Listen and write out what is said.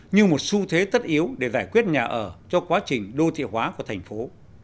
như một xu thế tất yếu để giải quyết nhà ở cho quá trình đô thị hóa của thành phố